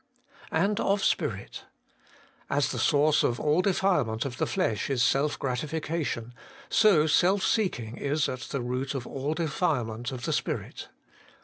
' And of spirit' As the source of all defile ment of the flesh is self gratification, so self seeking is at the root of all defilement of the spirit.